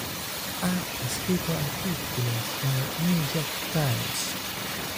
Ha escrito artículos en el "New York Times".